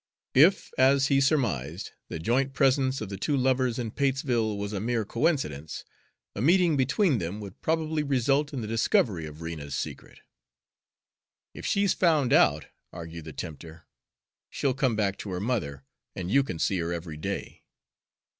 If, as he surmised, the joint presence of the two lovers in Patesville was a mere coincidence, a meeting between them would probably result in the discovery of Rena's secret. "If she's found out," argued the tempter, "she'll come back to her mother, and you can see her every day."